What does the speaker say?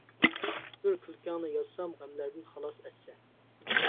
بىر كۈلكەڭنى يازسام غەملەردىن خالاس ئەتسە.